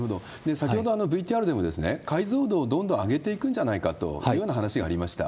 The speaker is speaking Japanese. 先ほどＶＴＲでも、解像度をどんどん上げていくんじゃないかというような話がありました。